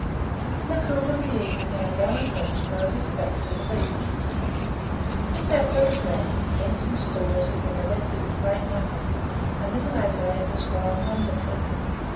In the cool of the evening our gallant host rowed us back to the beach. Since our first landing, tents and stores had been erected in great numbers, and Little Adelaide was grown wonderfully.